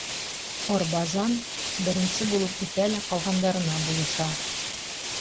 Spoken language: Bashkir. Орбазан беренсе булып үтә лә ҡалғандарына булыша.